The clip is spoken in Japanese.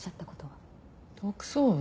特捜部？